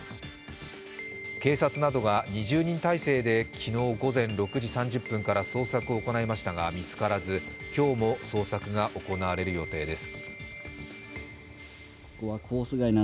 警察などが２０人態勢で昨日午前６時３０分から捜索を行いましたが見つからず、今日も捜索が行われる予定です。